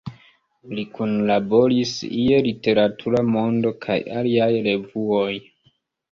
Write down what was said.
Li Kunlaboris je "Literatura Mondo" kaj aliaj revuoj.